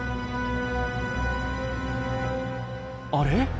あれ？